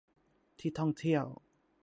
ที่ท่องเที่ยว